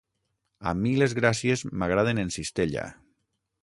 A mi les gràcies m'agraden en cistella.